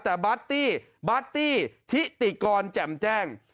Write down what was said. แต่บาร์ตตี้บาร์ตี้ทิติกรแจ่มแจ้ง